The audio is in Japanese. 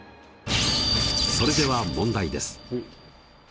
それでは問題です。